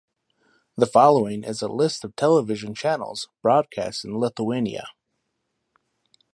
The following is a list of television channels broadcast in Lithuania.